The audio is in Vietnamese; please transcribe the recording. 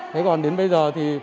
thế còn đến bây giờ